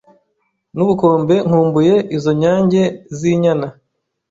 N'ubukombe nkumbuyeIzo nyange z'inyana